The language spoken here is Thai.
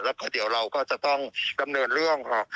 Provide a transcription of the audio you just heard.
แล้วก็เดี๋ยวเราก็จะต้องดำเนินเรื่องค่ะ